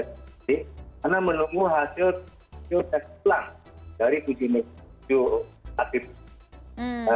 karena menunggu hasil dari tujuh negara